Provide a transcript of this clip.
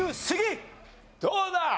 どうだ？